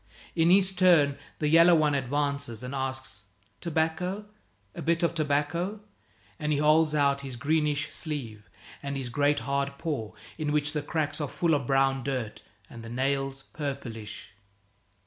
In his turn the yellow one advances and asks, "Tobacco? A bit of tobacco?" And he holds out his greenish sleeve and his great hard paw, in which the cracks are full of brown dirt, and the nails purplish.